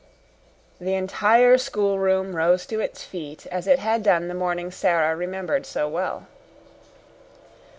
'" The entire schoolroom rose to its feet as it had done the morning Sara remembered so well.